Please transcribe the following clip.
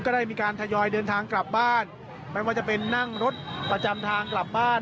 ได้มีการทยอยเดินทางกลับบ้านไม่ว่าจะเป็นนั่งรถประจำทางกลับบ้าน